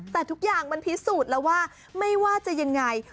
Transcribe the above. แต่ทุกอย่างมันพิสูจน์แล้วว่าไม่ว่าจะยังไง